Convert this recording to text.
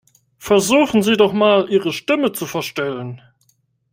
Versuchen Sie doch mal, Ihre Stimme zu verstellen.